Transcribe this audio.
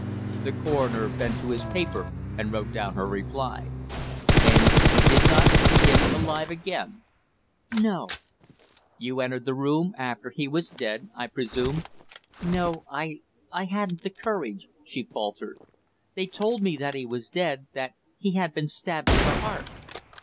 The coroner bent to his paper and wrote down her reply. "And you did not see him alive again." "No." "You entered the room after he was dead, I presume?" "No. I I hadn't the courage," she faltered. "They told me that he was dead that he had been stabbed to the heart."